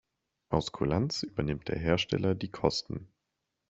Aus Kulanz übernimmt der Hersteller die Kosten.